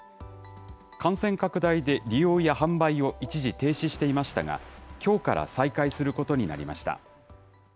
感染拡大で利用や販売を一時停止していましたが、きょうから再開することになりました。